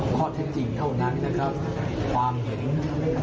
เขาเล่าว่ามามาก